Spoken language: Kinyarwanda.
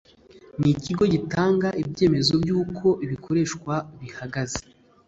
n ikigo gitanga ibyemezo by uko ibikoreshwa bihagaze